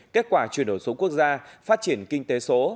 kết quả chuyển đổi số quốc gia phát triển kinh tế số